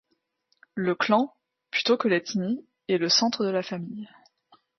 Le clan, plutôt que l'ethnie, est le centre de la famille.